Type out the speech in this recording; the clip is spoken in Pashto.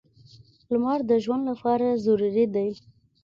• لمر د ژوند لپاره ضروري دی.